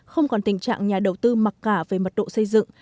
không còn tình trạng nhà đầu tư mặc cả về mật độ xây dựng